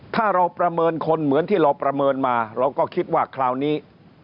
ถ้าเราประเมินคนเหมือนที่เราประเมินมาเราก็คิดว่าคราวนี้